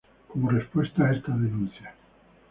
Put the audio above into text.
Como respuesta a esta denuncia.